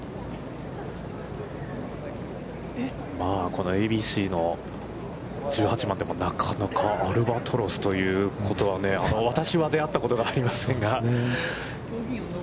このＡＢＣの１８番でアルバトロスということはね、私は出会ったことがありませんが。